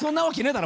だろ